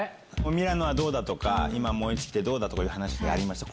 ミラノはどうだとか、今、燃え尽きてどうだとか、話がありました。